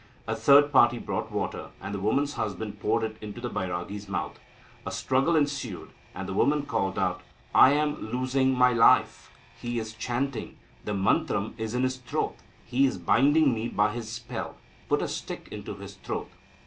A third party brought water, and the woman's husband poured it into the Bairagi's mouth. A struggle ensued, and the woman called out, "I am losing my life; he is chanting; the mantram is in his throat; he is binding me by his spell; put a stick into his throat."